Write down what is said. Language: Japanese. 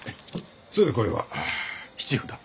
それでこれは質札。